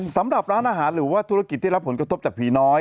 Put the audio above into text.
สำหรับร้านอาหารหรือว่าธุรกิจที่รับผลกระทบจากผีน้อย